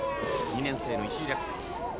２年生の石井です。